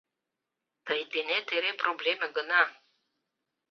— Тый денет эре проблеме гына.